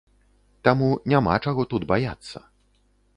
Таму няма чаго тут баяцца.